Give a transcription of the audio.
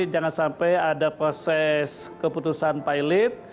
jangan sampai ada proses keputusan pak ilit